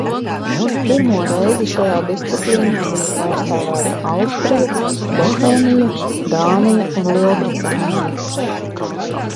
Pirmo reizi šajā disciplīnā bija pārstāvēta Austrija, Bohēmija, Dānija un Lielbritānija.